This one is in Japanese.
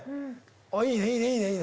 あっいいねいいね